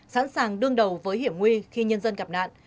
sẵn sàng đương đầu với hiểm nguy khi nhân dân gặp nạn